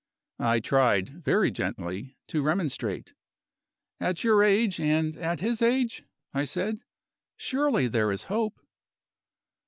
I tried very gently to remonstrate. "At your age, and at his age," I said, "surely there is hope?"